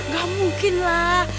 gak mungkin lah